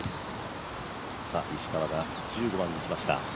石川が１５番に来ました。